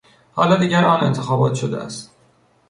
حالا دیگر آن انتخابات شده است.